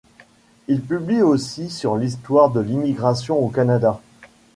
Il publie aussi sur l'histoire de l'immigration au Canada.